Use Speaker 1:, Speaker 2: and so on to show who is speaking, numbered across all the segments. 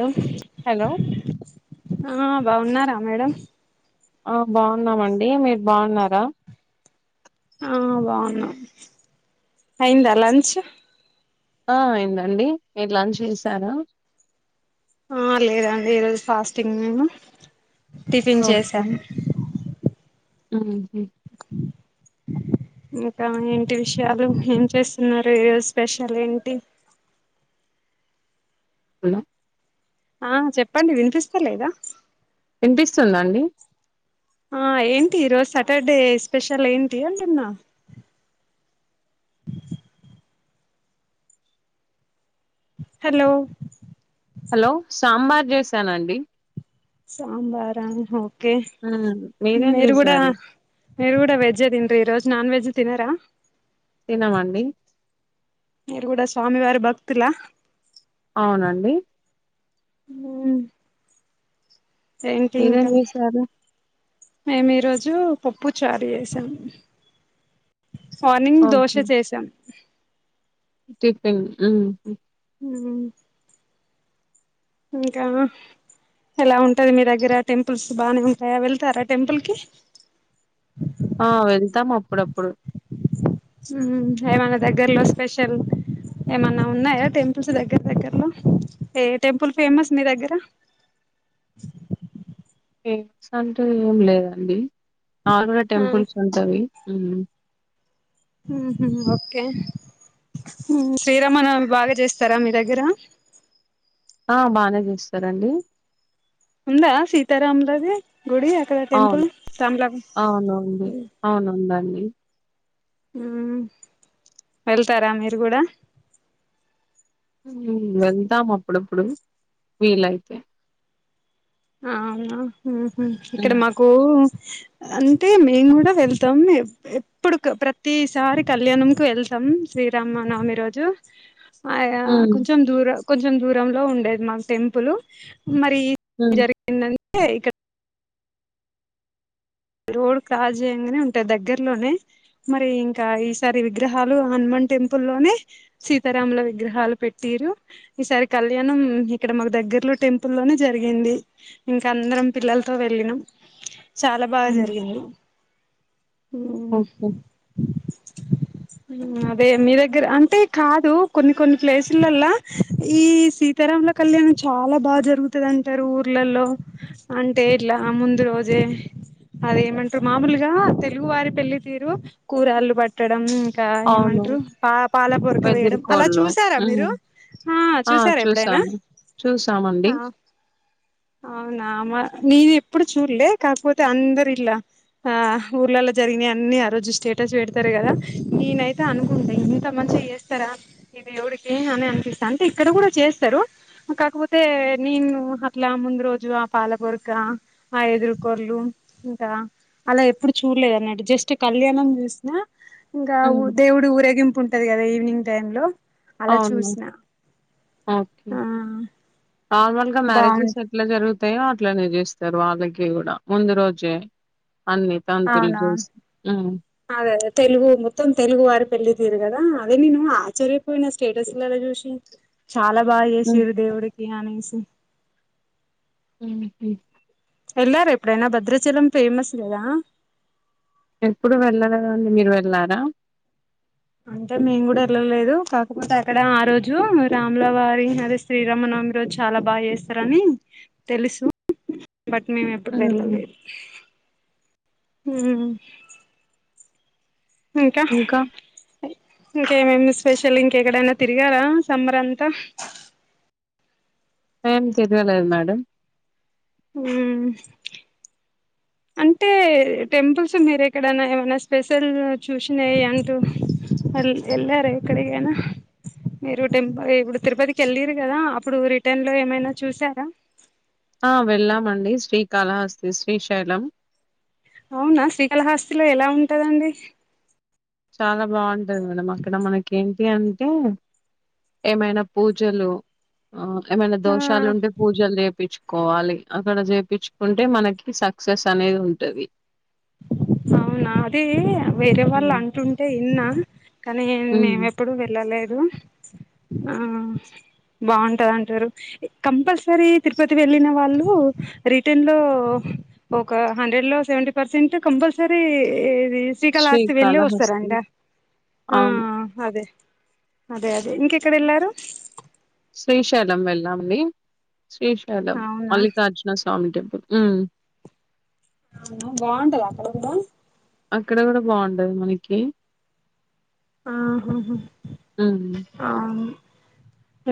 Speaker 1: లో
Speaker 2: హలో
Speaker 1: ఆ బాగున్నారా మేడం
Speaker 2: ఆ బాగున్నామండి మీరు బాగున్నారా
Speaker 1: ఆ బాగున్నాం అయిందా లంచ్
Speaker 2: ఆ అయిందండి మీరు లంచ్ చేశారా
Speaker 1: ఆ లేదండి ఈ రోజు ఫాస్టింగ్ మేము టిఫిన్
Speaker 2: ఓకే
Speaker 1: చేసాము
Speaker 2: ఉహు
Speaker 1: [inaudible] ఇంక ఏంటి విషయాలు ఏం చేస్తున్నారు ఈ రోజు స్పెషల్ ఏంటి
Speaker 2: ఉ
Speaker 1: ఆ చెప్పండి వినిపిస్తలేదా
Speaker 2: వినిపిస్తుంద అండి
Speaker 1: ఆ ఏంటి ఈ రోజు సాటర్డే స్పెషల్ ఏంటి అంటున్నా హలో
Speaker 2: హలో సాంబార్ చేసానండి
Speaker 1: సాంబారా ఓకే
Speaker 2: మ్మ్ మీరేం
Speaker 1: మీరు కూడా
Speaker 2: చేశారు
Speaker 1: మీరు కూడా వెజ్ తింట్రా ఈ రోజు నాన్ వెజ్ తినరా
Speaker 2: తినమండి
Speaker 1: మీరు కూడా స్వామి వారి భక్తులా
Speaker 2: అవునండి
Speaker 1: ఊ ఏంటి
Speaker 2: మీరేం
Speaker 1: ఇంకా
Speaker 2: చేశారు
Speaker 1: మేము ఈరోజు పప్పు చారు చేసాము మార్నింగ్ దోశ
Speaker 2: ఓకే
Speaker 1: చేశాం
Speaker 2: టిఫిన్ ఉహు
Speaker 1: ఊమ్ ఇంకా ఎలా ఉంటది మీ దగ్గర టెంపుల్స్ బానే ఉంటాయా వెళ్తారా టెంపుల్ కి [inaudible]
Speaker 2: ఆ వెళ్తాం అప్పుడప్పుడు
Speaker 1: ఊ ఏమన్నా దగ్గర్లో స్పెషల్ ఏమన్నా ఉన్నాయా టెంపుల్స్ దగ్గర దగ్గరలో ఏ టెంపుల్ ఫేమస్ మీ దగ్గర
Speaker 2: ఫేమస్ అంటు ఏం లేదండి ఆరుగ
Speaker 1: ఆ
Speaker 2: టెంపుల్స్ ఉంటవి ఊ
Speaker 1: ఉహు ఓకే ఉ శ్రీరామనవమి బాగా చేస్తారా మీ దగ్గర
Speaker 2: ఆ బానే చూస్తారండి
Speaker 1: ఉందా సీతారాములది గుడి అక్కడ
Speaker 2: అవును
Speaker 1: టెంపుల్ రామలామ్
Speaker 2: అవునుందండి
Speaker 1: ఊమ్ వెళ్తారా మీరు కూడా
Speaker 2: వెళ్తాం అప్పుడప్పుడు వీలైతే
Speaker 1: అవునా ఉహూ ఇక్కడ
Speaker 2: హ్మ్
Speaker 1: మాకు అంటే మేము కూడా వెళ్తాము ఎప్ ఎప్పుడు ప్రతిసారి కళ్యాణం కు వెళ్తాం శ్రీరామనవమి రోజు ఆ
Speaker 2: హ్మ్
Speaker 1: కొంచెం దూర కొంచెం దూరంలో ఉండేది మాకు టెంపుల్ మరి
Speaker 2: హ్మ్
Speaker 1: జరి ఏంటంటే ఇక్కడ రోడ్ క్రాస్ చేయగానే ఉంటది దగ్గర్లోనే మరి ఇంకా ఈ సారి విగ్రహాలు హనుమాన్ టెంపుల్ లోనే సీతారాముల విగ్రహాలు పెట్టిరు ఈసారి కళ్యాణం ఇక్కడ మాకు దగ్గర్లో టెంపుల్ లోనే జరిగింది ఇంకా అందరం పిల్లలతో వెళ్ళినం చాలా బాగా
Speaker 2: హ్మ్
Speaker 1: జరిగింది ఉమ్
Speaker 2: ఓకే.
Speaker 1: అదే మీ దగ్గర అంటే కాదు కొన్ని కొన్ని ప్లేసులల్లా ఈ సీ తరాముల కళ్యాణం చాలా బాగా జరుగుతది అంటారు ఊర్లలల్లో అంటే ఇట్లా ముందు రోజే అదేమంటరు మామూలుగా తెలుగు వారి పెళ్లి తీరు కూరాళ్ళు బట్ కుట్టడం ఇంకా
Speaker 2: అవును.
Speaker 1: ఏమంటారు పా పాల పొరక వేయడం అలా
Speaker 2: వెదురుకోళ్ళు.
Speaker 1: చూసారా
Speaker 2: హ్మ్.
Speaker 1: మీరు ఆ చూసారా ఎప్పుడైనా
Speaker 2: చూసామండి
Speaker 1: ఆ అవునా నేను ఎప్పుడు చూడలే కాకపోతే అందరు ఇట్లా ఆ ఊర్లలో జరిగినా అన్ని ఆ రోజు స్టేటస్ పెడతారు కదా నేనైతే అనుకుంటా ఇంత మంచిగ చేస్ స్తారా ఈ దేవుడికి అని అనిపిస్తా అంటే ఇక్కడ కూడా చేస్తారు కాకపోతే నేను అట్లా ముందు రోజు పాల బొర్క ఆ ఎదురుకొరలు ఇంక అలా ఎప్పుడు చూడలేదు అన్నట్టు జస్ట్ కళ్యాణం చూసినా ఇంకా ఊ
Speaker 2: హ్మ్.
Speaker 1: దేవుడు ఊరేగింపు ఉంటాది కదా ఈవినింగ్ టైమ్ లో అలా
Speaker 2: అవును
Speaker 1: చూసిన
Speaker 2: ఓకే
Speaker 1: ఆ
Speaker 2: నార్మల్గా మ్యారేజెస్
Speaker 1: బాగుంది
Speaker 2: లో ఎట్లా జరుగుతాయో అట్లనే చేస్తారు వాళ్ళకి కూడా ముందు రోజే అన్ని తంతులు
Speaker 1: అవునవును
Speaker 2: చేసి హా
Speaker 1: అదే అదే తెలుగు మొత్తం తెలుగు వారి పెళ్ళి తీరు కదా అదే నేను ఆశ్చర్యపోయిన స్టేటస్లలా చూసి చాలా బాగా
Speaker 2: హ్మ్.
Speaker 1: చేసారు దేవుడికి అనేసి
Speaker 2: ఉమ్ హు
Speaker 1: వెళ్లారా ఎప్పుడైనా భద్రాచలం ఫేమస్ కదా
Speaker 2: ఎప్పుడు వెళ్లలేదండి మీరు వెళ్లారా
Speaker 1: అంటే మేం కూడా వెళ్ళలేదు కాకపోతే అక్కడ ఆ రోజు రాములవారి అదే శ్రీరామనవమి రోజు చాలా బాగా చేస్తారని తెలుసు బట్ మేము ఎప్పుడు
Speaker 2: హ్మ్.
Speaker 1: వెళ్ళలేదు హమ్ ఇంకా ఇంకేమేమి స్పెషల్ ఇంకెక్కడైనా తిరిగారా సమ్మర్ అంతా
Speaker 2: ఏం తిరగలేదు మేడం
Speaker 1: ఉమ్ అంటే టెంపుల్స్ మీర ఎక్కడన్నా ఏమన్నా స్పెషల్ చూసినయి అంటూ అల్ వెళ్ళారా ఎక్కడికైనా మీరు టెపుల్ ఇప్పుడు తిరుపతికి వెళ్ళరు కదా అప్పుడు రిటర్న్ లో ఏమైనా చూసారా
Speaker 2: ఆ వెళ్ళామండి శ్రీకాళా ఆస్తి శ్రీశైలం
Speaker 1: అవునా శ్రీకాళహాస్తిలో ఎలా ఉంటదండి
Speaker 2: చాలా బాగుంటది మేడమ్ అక్కడ మనకి ఏంటి అంటే ఏమైనా పూజలు ఏమనా
Speaker 1: ఆ
Speaker 2: దోష షాలు ఉంటే పూజల్ చే చేప్పించుకోవాలి అక్కడ చేపించుకుంటే మనకి సక్సెస్ అనేది ఉంటది
Speaker 1: అవునా అదే వేరే వాళ్ళు
Speaker 2: హ్మ్
Speaker 1: అంటుంటే విన్నా కానీ
Speaker 2: హ్మ్
Speaker 1: మేము ఎప్పుడూ వెళ్ళలేదు ఆ బాగుంటది అంటారు కంపల్సరీ తిరుపతి వెళ్ళిన వాళ్ళు రిటన్ లో ఒక హండ్రెడ్ లో సెవెంటీ పర్సెంట్ కంపల్సరీ ఇది రీల్స్ శ్రీకాళాస్తి వెళ్ళి
Speaker 2: శ్రీకాళహస్తి
Speaker 1: వస్తారంట ఆ
Speaker 2: అవును
Speaker 1: అదే అదే అదే ఇంకెక్కడ ఎలారు
Speaker 2: శ్రీశైలం వెళ్ళాండి శ్రీశైలం
Speaker 1: అవునా
Speaker 2: మల్లికార్జున స్వామి టెంపుల్
Speaker 1: బాగుంటదా అక్కడ కూడా
Speaker 2: అక్కడ కూడా బాగుంటది మనకి
Speaker 1: ఆహా హా
Speaker 2: హ్మ్
Speaker 1: ఆ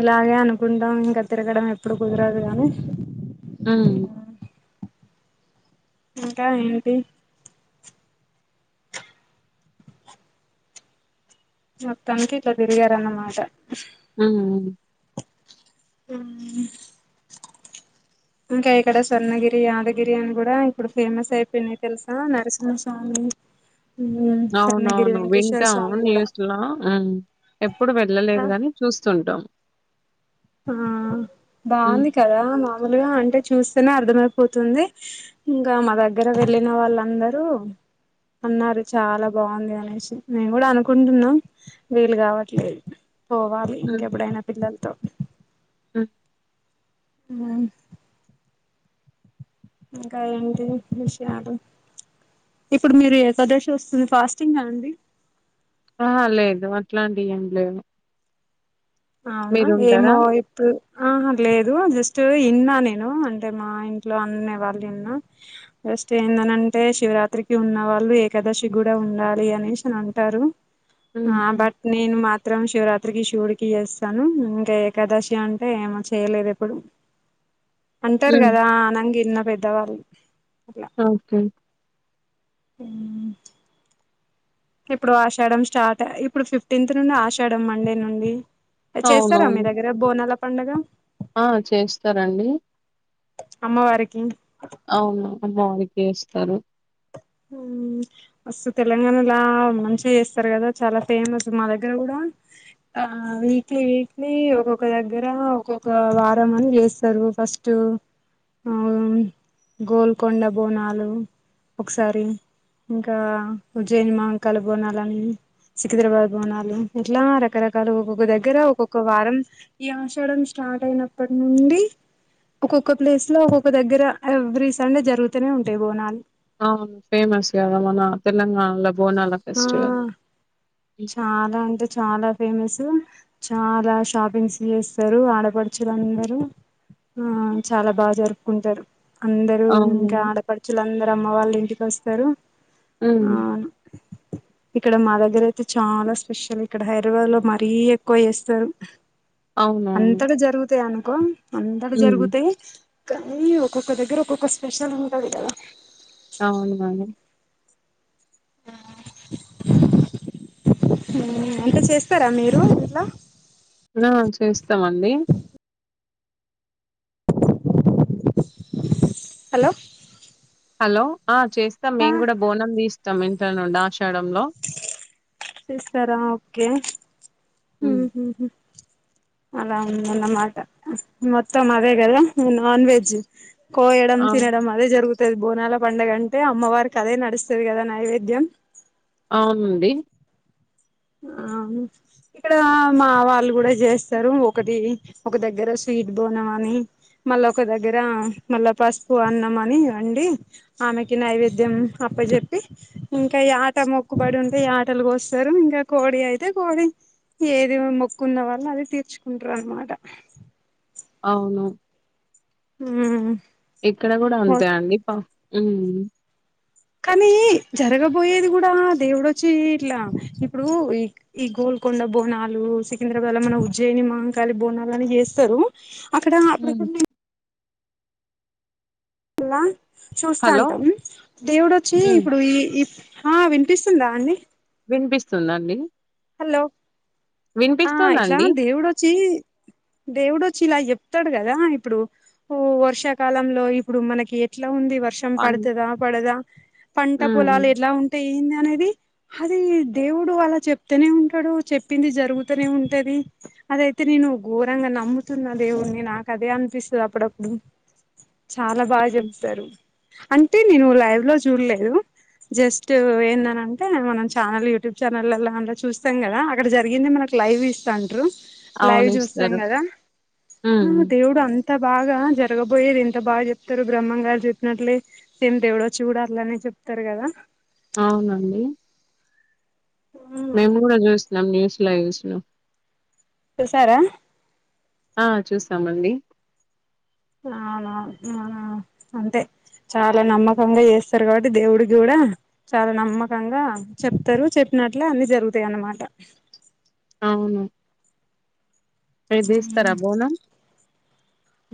Speaker 1: ఇలాగే అనుకుంటాం ఇంకా తిరగడం ఎప్పుడు కుదరదు గానీ
Speaker 2: ఉమ్
Speaker 1: ఇంకా ఏంటి హా మొత్తానికి ఇట్లా తిరిగారన్న మాట
Speaker 2: ఉమ్
Speaker 1: ఉమ్ ఇంకా ఇక్కడ స్వర్ణగిరి యాదగిరి అని కూడా ఇప్పుడు ఫేమస్ అయిపోయినాయి తెలుసా నరసింహస్వామి అ
Speaker 2: అవునవును వింటాము
Speaker 1: స్వామి కూడా
Speaker 2: న్యూస్లో ఎప్పుడు వెళ్ళలేదు
Speaker 1: ఆ
Speaker 2: కాని చూస్తుంటాం
Speaker 1: ఆ
Speaker 2: హ్మ్
Speaker 1: బాగుంది కదా మామూలుగా అంటే చూస్తేనే అర్థమయిపోతుంది ఇంకా మా దగ్గర వెళ్ళిన వాళ్ళందరూ అన్నారు చాలా బాగుంది అనేసి నేను కూడా అనుకుంటున్నాం వీలు కావట్లేదు పోవాలి ఇంకెప్పుడైనా పిల్లలతో
Speaker 2: ఉ
Speaker 1: ఉమ్ ఇంకా ఏంటి విషయాలు ఇప్పుడు మీరు ఏకాదసి వస్తుంది ఫాస్టింగ్గా అండి
Speaker 2: ఆహ లేదు అట్లాంటివి ఏం లేవు
Speaker 1: అవునా
Speaker 2: మీరుంటారా?
Speaker 1: ఏమో ఇపు ఆహ లేదు జస్ట్ ఇన్నా నేను అంటే మా ఇంట్లో అన్న వాళ్ళు విన్నా ఫస్ట్ ఏందనంటే శివరాత్రికి ఉన్న వాళ్ళు ఏకాదశి కూడా ఉండాలి అనేసి అని అంటారు ఆ
Speaker 2: హ్మ్.
Speaker 1: బట్ నేను మాత్రం శివరాత్రికి శివుడికి చేస్తాను ఇంకా ఏకాదశి అంటే ఏమో చేయలేదు ఎప్పుడు అంటారు
Speaker 2: హ్మ్.
Speaker 1: కదా అన్నగిన్న పెద్దవాళ్ళు అట్లా
Speaker 2: ఓకే
Speaker 1: ప ఇప్పుడు ఆషాడం స్టార్ట్ ఇప్పుడు ఫిఫ్టీన్త్ నుండి ఆషాడం మండే నుండి చేస్తారా మీ
Speaker 2: అవునవును.
Speaker 1: దగ్గర బోనాల పండుగ
Speaker 2: ఆ చేస్తారండి
Speaker 1: అమ్మవారికి
Speaker 2: అవును అమ్మవారికే చేస్తారు
Speaker 1: ఉ అస్ తెలంగాణలా మంచిగా చేస్తారు కదా చాలా ఫేమస్ మా దగ్గర కూడా ఆ వీక్లీ వీక్లీ ఒక్కొక్క దగ్గర ఒక్కొక్క వారం అని చేస్తారు ఫస్ట్ టు గోల్కొండ బోనాలు ఒకసారి ఇంకా ఉజ్జయిని మహంకాళి బోనాలని సికింద్రాబాద్ బోనాలు ఇట్లా రకరకాలు ఒక్కొక్క దగ్గర ఒక్కొక్క వారం ఈ ఆషాడం స్టార్ట్ అయినప్పటి నుండి ఒక్కొక్క ప్లేస్లో ఒక్కొక్క దగ్గర ఎవ్రీ సండే జరుగుతనే ఉంటయి బోనాలు
Speaker 2: అవును ఫేమస్ కదా మన తెలంగాణలో బోనాలా ఫెస్టివల్
Speaker 1: ఆ
Speaker 2: హ్మ్.
Speaker 1: చాలా అంటే చాలా ఫేమస్ చాలా షాపింగ్స్ చేస్తరు ఆడపడుచులు అందరూ ఆ చాలా బాగ జరుపుకుంటారు అందరూ
Speaker 2: అవును.
Speaker 1: ఇంకా ఆడపడుచులు అందరు అమ్మ వాళ్ళు ఇంటికొస్తరు
Speaker 2: ఉం
Speaker 1: ఇక్కడ మా దగ్గర అయితే చాలా స్పెషల్ ఇక్కడ హైదరాబాద్లో మరీ ఎక్కువ చేస్తరు
Speaker 2: అవునవును.
Speaker 1: అంతట జరుగుతయి అనుకో అంతట
Speaker 2: హ్మ్.
Speaker 1: జరుగుతయి కనీ ఒక్కొక్క దగ్గర ఒక్కొక్క స్పెషల్ ఉంటది కదా
Speaker 2: అవును కానీ
Speaker 1: ఆ ఉమ్అంటే చేస్తరా మీరు ఇట్ల
Speaker 2: ఆ చేస్తమండి
Speaker 1: హలో
Speaker 2: హలో ఆ చేస్తం మేము కూడా బోనం తీస్తం ఇంట్లో నుండి ఆషాడంలో
Speaker 1: తీస్తరా ఓకే
Speaker 2: హ్మ్.
Speaker 1: హుమ్ హుమ్ అలా ఉందన్న మాట మొత్తం అదే గద నాన్ వెజ్ కోయడం
Speaker 2: ఆ!
Speaker 1: తినడం అదే జరుగుతది బోనాల పండగ అంటే అమ్మవారికి అదే నడుస్తది కద నైవేద్యం
Speaker 2: అవునండి
Speaker 1: అవును ఇక్కడ మా వాళ్ళు కూడ చేస్తారు ఒకటి ఒక దగ్గర స్వీట్ బోనం అని మల్లొకదగ్గరా మళ్ళ పసుపు అన్నంమని అండి ఆమెకి నైవేద్యం అప్ప జెప్పి ఇంక యాట మొక్కుబడి ఉంటే యటలు కోస్తరు ఇంక కోడి అయితే కోడి ఏది మొక్కు ఉన్నవాళ్లు అది తీర్చుకుంటరన్నమాట
Speaker 2: అవును
Speaker 1: ఊమ్
Speaker 2: ఇక్కడ కూడ అంతే అండి
Speaker 1: కనీ జరగబోయేది కూడా దేవుడొచ్చి ఇట్లా ఇప్పుడు ఇ ఈ గోల్కొండ బోనాలు సికింద్రాబాద్లో మన ఉజ్జయిని మహంకాళి బోనాలు అని చేస్తరు అక్కడ అక్కడ
Speaker 2: హ్మ్.
Speaker 1: కొన్ని అలా
Speaker 2: హలో!
Speaker 1: చూస్తాంటం దేవుడు ఒచ్చి
Speaker 2: హ్మ్.
Speaker 1: ఇప్పుడు ఈ ఈ ఆ వినిపిస్తుందా అండి
Speaker 2: వినిపిస్తుందండి
Speaker 1: హలో ఆ ఇట్లా
Speaker 2: వినిపిస్తుందండి.
Speaker 1: దేవుడొచ్చి దేవుడొచ్చి ఇలా చెప్తడు కదా ఇప్పుడు ఊ వర్షాకాలంలో ఇప్పుడు మనకి ఎట్ల ఉంది వ ర్షం
Speaker 2: పన్
Speaker 1: పడతదా పడదా పంట పొలాలు
Speaker 2: హ్మ్.
Speaker 1: ఎలా ఉం టే ఏంది అనేది అది దేవుడు అలా చెప్ తనే ఉంటడు చెప్పింది జరుగుతనే ఉంటది అదైతే నేను ఘోరంగ నమ్ముతున్న దేవుడ్ని నాకదే అనిపిస్తది అప్పుడప్పుడు చాలా బాగ
Speaker 2: హ్మ్.
Speaker 1: చెప్తారు అంటే నేను లైవ్లో చూడ్లేదు జస్ట్ ఎందనియంటే మనం ఛానల్ యూట్యూబ్ ఛానల్లా ఉ చూస్తాం కదా అక్కడ జరిగింది మనకు లైవ్ ఇస్తా ఉంట్రు లైవ్
Speaker 2: అవును
Speaker 1: చూస్తాం
Speaker 2: ఇస్తారు.
Speaker 1: కదా
Speaker 2: హ్మ్.
Speaker 1: ఉహ్ దేవుడు అం త బాగా జరగబోయేది ఎంత బాగ చెప్తారు బ్రహ్మంగారు చెప్పినట్లే సేమి దేవడో చూడాలానే చెప్తారు కదా
Speaker 2: అవునండి మేము కూడా చూసినం న్యూస్ల చూసినం
Speaker 1: చూశారా
Speaker 2: ఆ చూస్తామండి
Speaker 1: అవును అవునా అంతే చాలా నమ్మకంగా చేస్తారు కాబట్టి దేవుడి కూడా చాలా నమ్మకంగా చెప్తారు చెప్పినట్లే అన్ని జరుగుతాయి అన్నమాట
Speaker 2: అవును ఇది ఇస్తారా
Speaker 1: ఉమ్
Speaker 2: బోనం?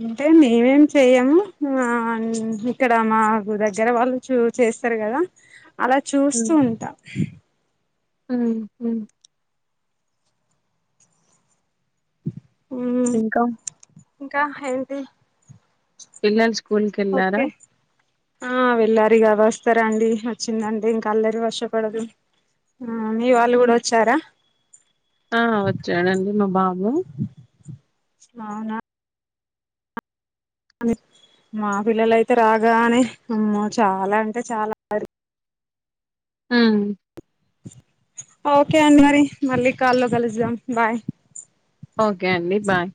Speaker 1: అంటే మేము ఏం చేయము ఆ ఇక్కడ మాకు దగ్గర వాళ్ళు చు చేస్తారు కదా అలా చూస్తూ ఉంటా
Speaker 2: ఉహు
Speaker 1: ఉహ్
Speaker 2: ఇంకా
Speaker 1: ఇంకా ఏంటి
Speaker 2: పిల్లలు స్కూల్ కి వెళ్ళారా
Speaker 1: ఓకే ఆ వెళ్ళారు ఇగ వస్తారు అండి వచ్చిందంటే ఇంకా అల్లరి వశపడదు ఆ మీ వాళ్ళు కూడ
Speaker 2: హ్మ్.
Speaker 1: వచ్చారా
Speaker 2: ఆ వచ్చాడండి మా బాబు
Speaker 1: అవునా మా పిల్లలు అయితే రాగానే అమ్మ చాలా అంటే చాలా
Speaker 2: ఉమ్
Speaker 1: ఓకే అండి మరి మళ్ళీ కాల్లో కలుద్దాం బాయ్
Speaker 2: ఓకే అండి బాయ్